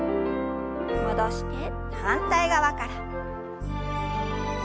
戻して反対側から。